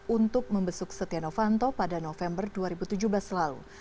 untuk membesuk setia novanto pada november dua ribu tujuh belas lalu